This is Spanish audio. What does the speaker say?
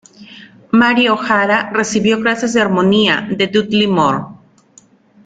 Mary O'Hara recibió clases de armonía de Dudley Moore.